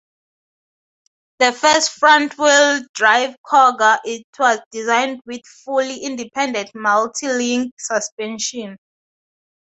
The first front-wheel drive Cougar, it was designed with fully independent multilink suspension.